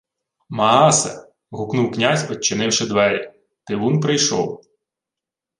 — Maace! — гукнув князь, одчинивши двері. Тивун прийшов.